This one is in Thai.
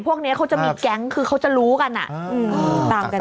พวกนี้เขาจะมีแก๊งคือเขาจะรู้กันตามกัน